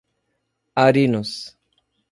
Arinos